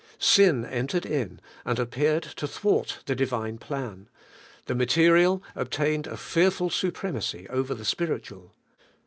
Sin entered in, and appeared to thwart the Divine plan : the material obtained a fearful supremacy over the spiritual.